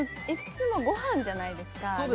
いつも御飯じゃないですか。